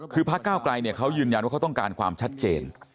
คือพระเก้าไกลเขายืนยันว่าเขาต้องการความชัดเจน